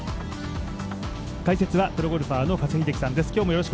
解説はプロゴルファーの加瀬秀樹さんです。